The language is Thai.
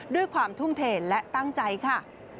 ด้วยความทุ่มเทและตั้งใจค่ะ